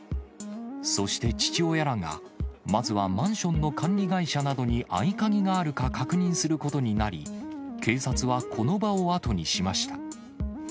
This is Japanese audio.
そして父親らが、まずはマンションの管理会社などに合鍵があるか確認することになり、警察は、この場を後にしました。